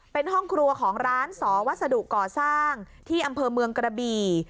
เป็นห้องครัวของร้านสอวัสดุก่อสร้างที่อำเภอเมืองกระบี่